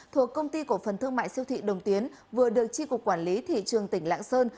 thuộc công ty cổ phần thương mại siêu thị đồng tiến vừa được tri cục quản lý thị trường tỉnh lạng sơn